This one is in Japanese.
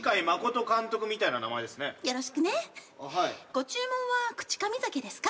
ご注文は口かみ酒ですか？